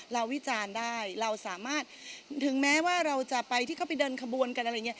วิจารณ์ได้เราสามารถถึงแม้ว่าเราจะไปที่เขาไปเดินขบวนกันอะไรอย่างนี้